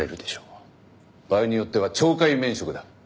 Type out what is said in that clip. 場合によっては懲戒免職だ。